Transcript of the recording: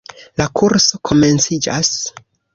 La kurso komenciĝas.